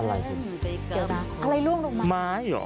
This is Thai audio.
อะไรร่วมลงไม้ีหรอ